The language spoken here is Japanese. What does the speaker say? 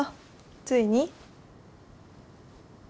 ついに？